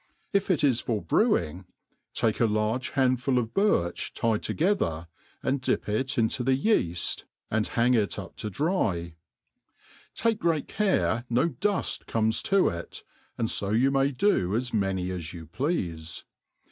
If it is for brewing, take a large kapdful of birch tied together, and dip it into the yeaft and hang it up to MADE PLAIH AND £ASY. jti to dr^; take great care no duft c!oise8 to it^ and fo you may do aa many as you pteafe.